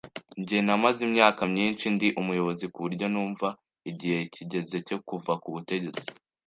Njye namaze imyaka myinshi ndi umuyobozi kuburyo numva igihe kigeze cyo kuva ku butegetsi .